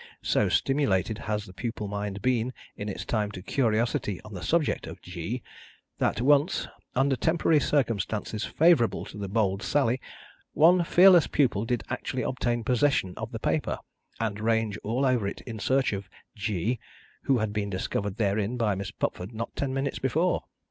So stimulated has the pupil mind been in its time to curiosity on the subject of G, that once, under temporary circumstances favourable to the bold sally, one fearless pupil did actually obtain possession of the paper, and range all over it in search of G, who had been discovered therein by Miss Pupford not ten minutes before.